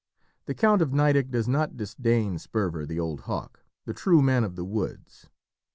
The Count of Nideck does not disdain Sperver, the old hawk, the true man of the woods.